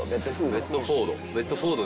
ベッドフード？